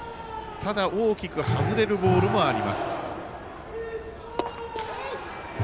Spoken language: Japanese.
ただ、大きく外れるボールもあります。